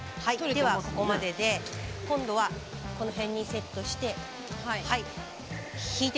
ではここまでで今度はこの辺にセットして引いてみて下さい。